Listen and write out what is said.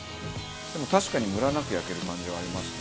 でも確かにムラなく焼ける感じはありますね。